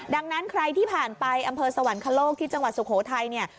ดังนั้นใครที่ผ่านไปอำเภอสวรรคโลกที่จังหวัดสุโขทัยเนี่ย